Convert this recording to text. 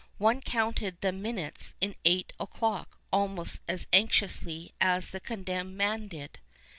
(One counted the minutes in Fight o'Clock almost as anxi ously as the condenmed man did.)